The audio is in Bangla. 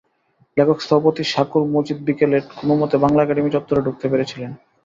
লেখক স্থপতি শাকুর মজিদ বিকেলে কোনোমতে বাংলা একাডেমি চত্বরে ঢুকতে পেরেছিলেন।